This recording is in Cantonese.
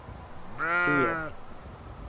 燒肉